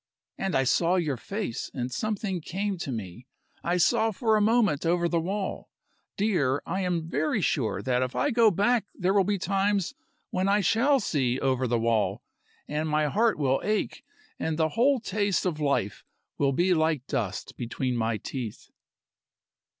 And I saw your face and something came to me. I saw for a moment over the wall. Dear, I am very sure that if I go back there will be times when I shall see over the wall, and my heart will ache and the whole taste of life will be like dust between my teeth."